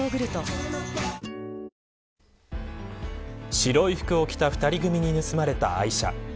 白い服を着た２人組に盗まれた愛車。